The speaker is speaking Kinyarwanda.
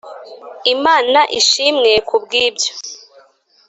imana ishimwe kubwibyo.